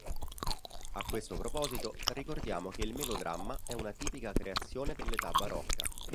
A questo proposito ricordiamo che il melodramma è una tipica creazione dell'età barocca.